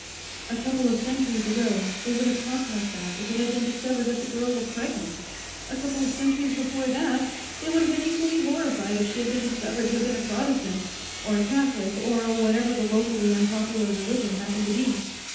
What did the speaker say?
A couple of centuries ago, they would have talked like that if it had been discovered that the girl were pregnant; a couple of centuries before that, they would have been equally horrified if she had been discovered to have been a Protestant, or a Catholic, or whatever the locally unpopular religion happened to be.